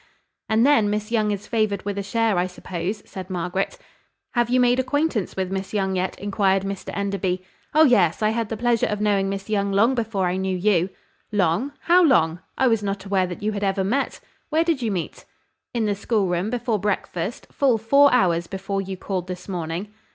"And then Miss Young is favoured with a share, I suppose?" said Margaret. "Have you made acquaintance with Miss Young yet?" inquired Mr Enderby. "Oh, yes! I had the pleasure of knowing Miss Young long before I knew you." "Long! how long? I was not aware that you had ever met. Where did you meet?" "In the schoolroom, before breakfast, full four hours before you called this morning."